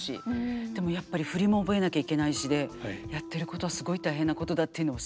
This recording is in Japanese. でもやっぱり振りも覚えなきゃいけないしでやってることはすごい大変なことだっていうのはすごい分かりました。